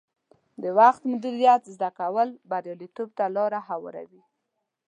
د وخت مدیریت زده کول بریالیتوب ته لار هواروي.